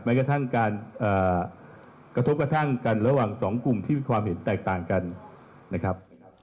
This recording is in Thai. กระทั่งการกระทบกระทั่งกันระหว่างสองกลุ่มที่มีความเห็นแตกต่างกันนะครับ